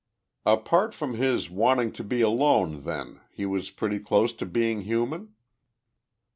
"Apart from his wanting to be alone, then, he was pretty close to being human?"